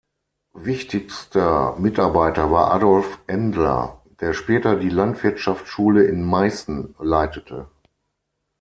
Wichtigster Mitarbeiter war Adolf Endler, der später die Landwirtschaftsschule in Meißen leitete.